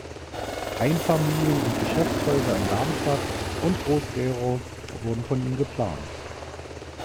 Einfamilien- und Geschäftshäuser in Darmstadt und Groß-Gerau wurden von ihm geplant.